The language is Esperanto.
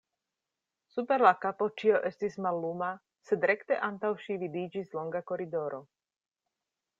Super la kapo ĉio estis malluma, sed rekte antaŭ ŝi vidiĝis longa koridoro.